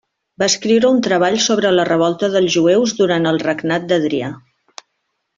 Va escriure un treball sobre la revolta dels jueus durant el regnat d'Adrià.